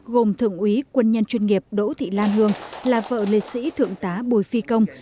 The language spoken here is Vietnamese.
gồm thượng úy quân nhân chuyên nghiệp đỗ thị lan hương là vợ liệt sĩ thượng tá bùi phi công